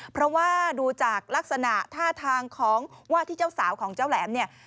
เพราะว่าดูจากลักษณะท่าทางของว่าที่เจ้าสาวของเจ้าแหลมเนี่ย